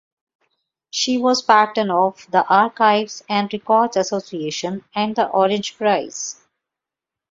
She was Patron of the Archives and Records Association and the Orange Prize.